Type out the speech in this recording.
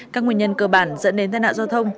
các nguyên nhân cơ bản dẫn đến tai nạn giao thông